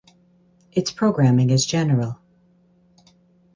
Its programming is general.